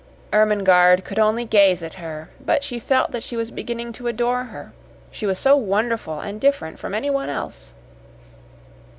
Ermengarde could only gaze at her, but she felt that she was beginning to adore her. She was so wonderful and different from anyone else.